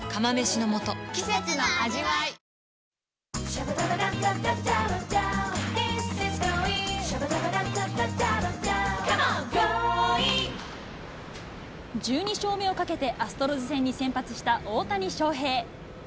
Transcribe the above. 次週Ｄ−１グランプリ開催１２勝目をかけてアストロズ戦に先発した大谷翔平。